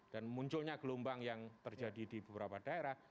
dan munculnya gelombang yang terjadi di beberapa daerah